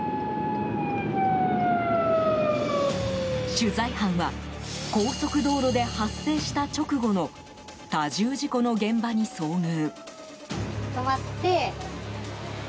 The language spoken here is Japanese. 取材班は高速道路で発生した直後の多重事故の現場に遭遇。